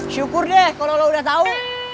syukur deh kalau lo udah tau